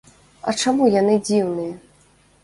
А чаму яны дзіўныя?